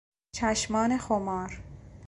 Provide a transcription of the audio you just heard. چشمان خمار